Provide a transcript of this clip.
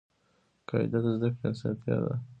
قاعده د زده کړي اسانتیا ده.